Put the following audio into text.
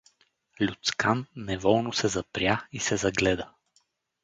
Люцкан неволно се запря и се загледа.